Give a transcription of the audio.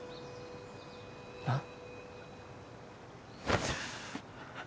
なっ？